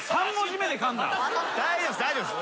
大丈夫です大丈夫です。